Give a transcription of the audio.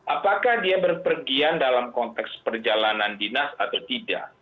apakah dia berpergian dalam konteks perjalanan dinas atau tidak